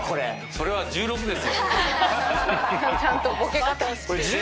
それは１６ですよ。